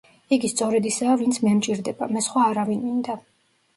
იგი სწორედ ისაა ვინც მე მჭირდება, მე სხვა არავინ მინდა.